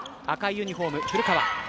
赤いユニホーム、古川。